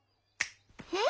えっ？